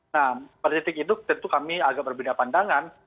nah pada titik itu tentu kami agak berbeda pandangan